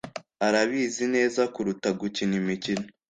arabizi neza kuruta gukina imikino